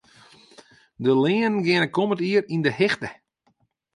De leanen geane kommend jier yn 'e hichte.